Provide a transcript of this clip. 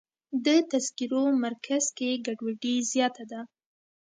د تذکرو مرکز کې ګډوډي زیاته ده.